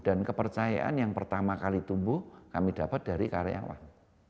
dan kepercayaan yang pertama kali tumbuh kami dapat dari karyawan